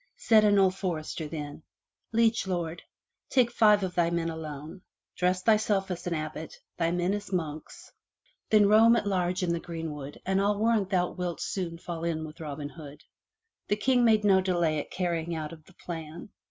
Said an old forester then: ''Liege Lord, take five of thy men alone, dress thyself up as an abbot, thy men as monks Then roam at large in the greenwood and I'll warrant thou wilt soon fall in with Robin Hood." The King made no delay at carrying out of the plan.